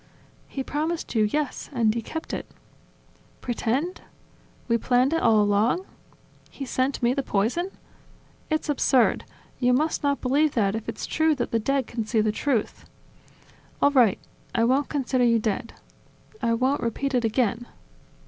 ..." "He promised you, yes; and he kept it ... Pretend? We planned it all along? He sent me the poison? ... It's absurd! You must not believe that if it's true that the dead can see the truth ..." "All right. I won't consider you dead .. .1 won't repeat it again."